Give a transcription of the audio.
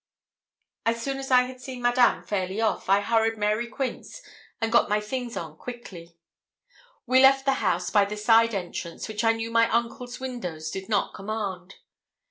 So soon as I had seen Madame fairly off, I hurried Mary Quince, and got my things on quickly. We left the house by the side entrance, which I knew my uncle's windows did not command.